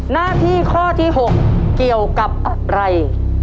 หน้าที่ข้อที่๖เกี่ยวกับอะไร